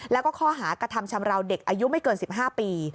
แล้วก็ข้อหากระทำชำราวเด็กอายุไม่เกิน๑๕ปี